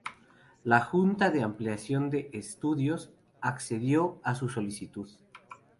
La Junta de Ampliación de Estudios accedió a su solicitud.